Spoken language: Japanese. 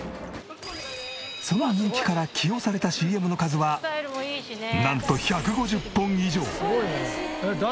その人気から起用されたＣＭの数はなんと１５０本以上！